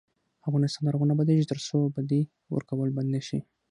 افغانستان تر هغو نه ابادیږي، ترڅو بدی ورکول بند نشي.